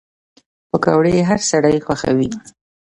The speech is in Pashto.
پکورې هر سړی خوښوي